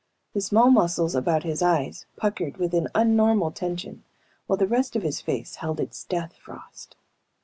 The small muscles about his eyes puckered with an unnormal tension while the rest of his face held its death frost.